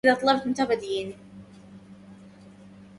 انظر معي فهي نظرة أمم